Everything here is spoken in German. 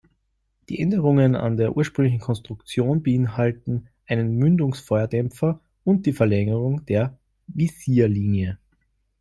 Die Änderungen an der ursprünglichen Konstruktion beinhalteten einen Mündungsfeuerdämpfer und die Verlängerung der Visierlinie.